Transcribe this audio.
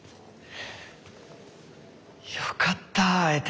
よかった会えて。